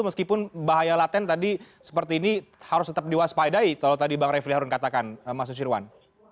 meskipun bahaya laten tadi seperti ini harus tetap diwaspadai kalau tadi bang refli harun katakan mas susirwan